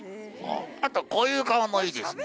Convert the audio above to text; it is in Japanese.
あとこういう顔もいいですね